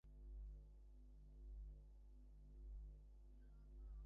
কিন্তু জন স্কাউটের cub master, তাই সে একদল বাচ্চার সাথে ডিল করতে অভ্যস্ত।